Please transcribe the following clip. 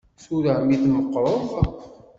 Tura mi tmeqqreḍ.